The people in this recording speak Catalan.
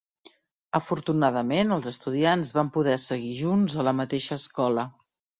Afortunadament, els estudiants van poder seguir junts a la mateixa escola.